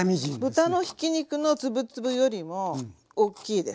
豚のひき肉のつぶつぶよりもおっきいです。